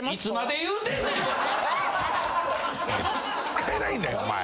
使えないんだよお前。